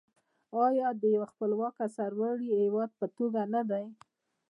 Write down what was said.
آیا د یو خپلواک او سرلوړي هیواد په توګه نه دی؟